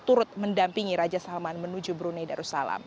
turut mendampingi raja salman menuju brunei darussalam